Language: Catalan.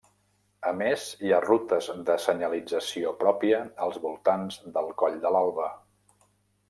A més, hi ha rutes de senyalització pròpia als voltants del Coll de l'Alba.